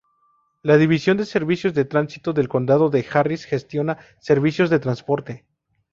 La División de Servicios de Transito del Condado de Harris gestiona servicios de transporte.